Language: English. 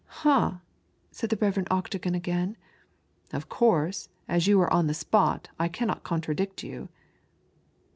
"Hnmph!" said the Rev. Octagon again, "of course, as you were on the spot I cannot contradict you."